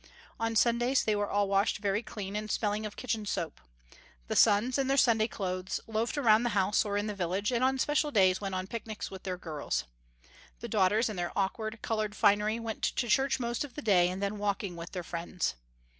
On Sundays they were all washed very clean, and smelling of kitchen soap. The sons, in their Sunday clothes, loafed around the house or in the village, and on special days went on picnics with their girls. The daughters in their awkward, colored finery went to church most of the day and then walking with their friends.